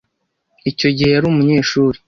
Icyo gihe yari umunyeshuri.